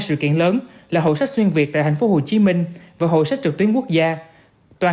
sự kiện lớn là hội sách xuyên việt tại thành phố hồ chí minh và hội sách trực tuyến quốc gia toàn